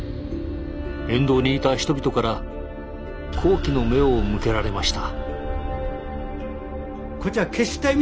沿道にいた人々から好奇の目を向けられました。